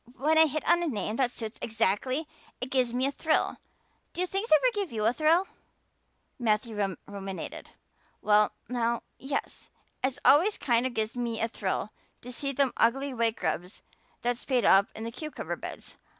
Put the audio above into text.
When I hit on a name that suits exactly it gives me a thrill. Do things ever give you a thrill?" Matthew ruminated. "Well now, yes. It always kind of gives me a thrill to see them ugly white grubs that spade up in the cucumber beds.